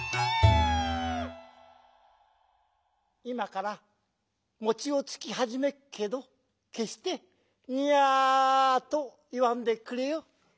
「いまからもちをつきはじめっけどけっして『ニャア』といわんでくれよ。